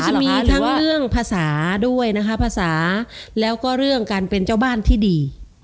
จะมีทั้งเรื่องภาษาด้วยนะคะภาษาแล้วก็เรื่องการเป็นเจ้าบ้านที่ดี